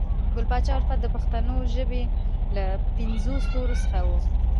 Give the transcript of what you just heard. ګل پاچا الفت د پښنو ژبې له پنځو ستورو څخه وو